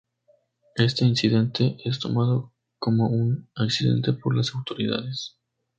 Este incidente es tomado como un accidente por las autoridades.